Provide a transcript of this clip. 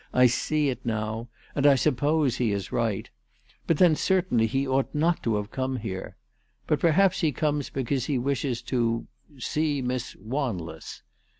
"I see it now. And I suppose he is right. But then cer tainly he ought not to have come here. But perhaps he comes because he wishes to see Miss Wanless."